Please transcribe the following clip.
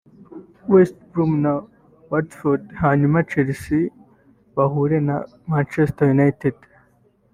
West Brom na Watford hanyuma Chelsea bahure na Manchester City